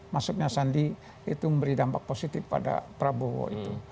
masuknya sandi itu memberi dampak positif pada prabowo itu